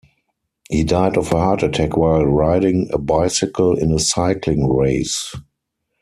He died of a heart attack while riding a bicycle in a cycling race.